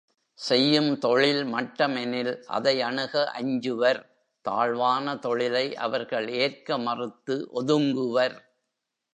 செய்யும் தொழில் மட்டம்எனில் அதை அணுக அஞ்சுவர் தாழ்வான தொழிலை அவர்கள் ஏற்க மறுத்து ஒதுங்குவர்.